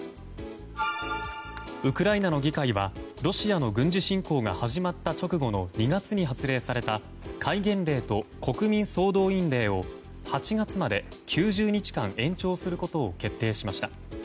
ウクライナの議会はロシアの軍事侵攻が始まった直後の２月に発令された戒厳令と国民総動員令を８月まで９０日間延長することを決定しました。